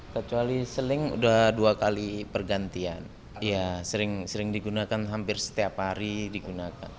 kecuali seling sudah dua kali pergantian ya sering sering digunakan hampir setiap hari digunakan